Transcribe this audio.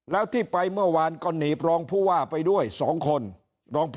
แล้วที่ไปเมื่อวานก็หนีบรองผู้ว่าไปด้วย๒คน